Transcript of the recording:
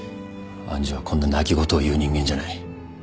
愛珠はこんな泣き言を言う人間じゃない。